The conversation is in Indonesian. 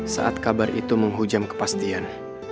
saat kabar itu menghujam kepastian